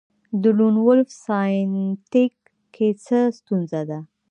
د لون وولف ساینتیک کې څه ستونزه ده